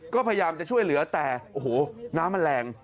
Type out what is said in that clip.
ก็พยายามจะช่วยเหลือแต่โอ้โหน้ำมันแรง